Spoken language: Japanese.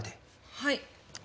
はい。